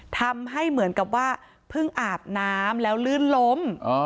ทำให้เหมือนกับว่าเพิ่งอาบน้ำแล้วลื่นล้ม